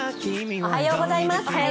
おはようございます。